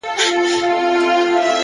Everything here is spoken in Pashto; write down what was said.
علم د پرمختګ بنسټیز عنصر دی.